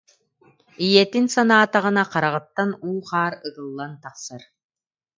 Ийэтин санаатаҕына хараҕыттан уу-хаар ыгыллан тахсар